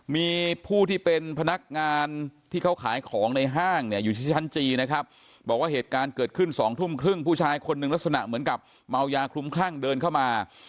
มีผู้ที่เป็นพนักงานที่เขาขายของในห้างเนี่ยอยู่ที่ชั้นจีนนะครับบอกว่าเหตุการณ์เกิดขึ้นสองทุ่มครึ่งผู้ชายคนหนึ่งลักษณะเหมือนกับเมายาคลุมคลั่งเดินเข้ามา